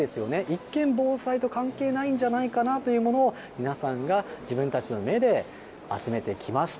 一見、防災と関係ないんじゃないかなというものを皆さんが自分たちの目で集めてきました。